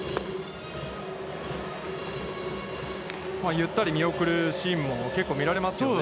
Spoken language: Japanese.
ゆったり見送るシーンも結構見られますよね。